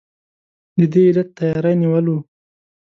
د دې علت تیاری نیول وو.